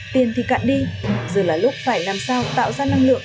tiền thì cạn đi giờ là lúc phải làm sao tạo ra năng lượng